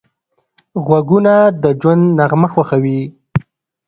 غوږونه د ژوند نغمه خوښوي